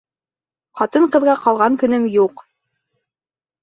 Ҡатын-ҡыҙға ҡалған көнөм юҡ!